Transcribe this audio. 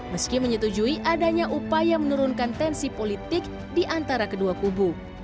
meski menyetujui adanya upaya menurunkan tensi politik di antara kedua kubu